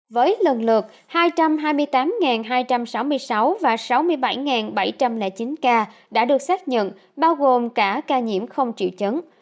với lần lượt hai trăm hai mươi tám hai trăm sáu mươi sáu và sáu mươi bảy bảy trăm linh chín ca đã được xác nhận bao gồm cả ca nhiễm không triệu chứng